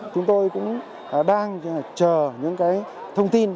chúng tôi cũng đang chờ những thông tin